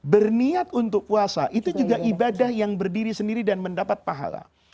berniat untuk puasa itu juga ibadah yang berdiri sendiri dan mendapat pahala